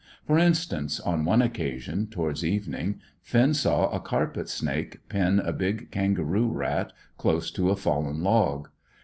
For instance, on one occasion, towards evening, Finn saw a carpet snake pin a big kangaroo rat, close to a fallen log.